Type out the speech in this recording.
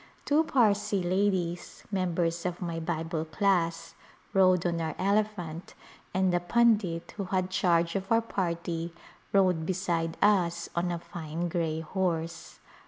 Two Parsee ladies, members of my Bible class, rode on our elephant, and the pundit, who had charge of our party, rode beside us on a fine gray horse.